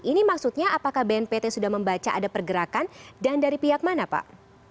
ini maksudnya apakah bnpt sudah membaca ada pergerakan dan dari pihak mana pak